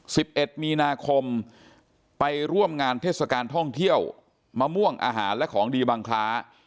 สิบเอ็ดมีนาคมไปร่วมงานเทศกาลท่องเที่ยวมะม่วงอาหารและของดีบังคลา